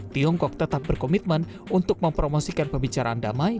tiongkok tetap berkomitmen untuk mempromosikan pembicaraan damai